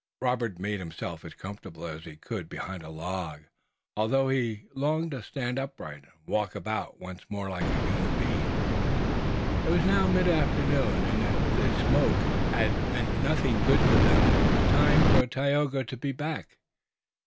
Robert made himself as comfortable as he could behind a log, although he longed to stand upright, and walk about once more like a human being. It was now mid afternoon and if the smoke had meant nothing good for them it was time for Tayoga to be back.